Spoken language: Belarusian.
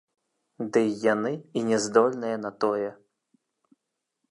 Дый яны і не здольныя на тое!